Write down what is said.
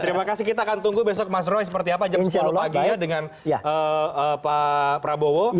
terima kasih kita akan tunggu besok mas roy seperti apa jam sepuluh pagi ya dengan pak prabowo